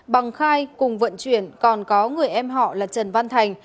bằng khai cùng vận chuyển còn có người em họ là trần văn thành